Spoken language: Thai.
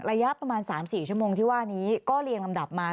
ระยะประมาณ๓๔ชั่วโมงที่ว่านี้ก็เรียงลำดับมา